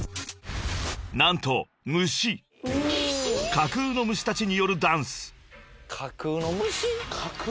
［架空の虫たちによるダンス］